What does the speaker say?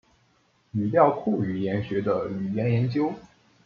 语料库语言学的语言研究。